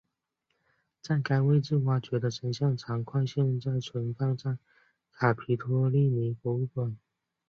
在该位置挖掘的神像残块现在存放在卡皮托利尼博物馆。